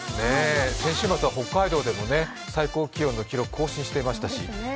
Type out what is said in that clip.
先週末は北海道でも最高気温の記録を更新していましたし。